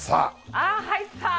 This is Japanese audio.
あっ入った！